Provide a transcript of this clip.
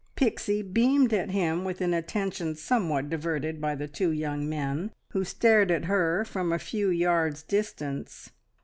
Pixie beamed at him, with an attention somewhat diverted by the two young men who stared at her from a few yards' distance.